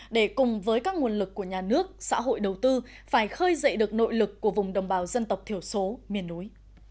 để cùng với các nguồn lực của nhà nước xã hội đầu tư phải khơi dậy được nội lực của vùng đồng bào dân tộc thiểu số miền núi